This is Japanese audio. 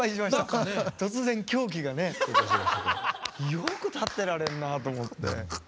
よく立ってられるなと思って。